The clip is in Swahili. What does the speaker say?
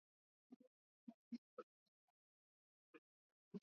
Rwanda na Kongo zilishirikiana katika mikakati ya kijeshi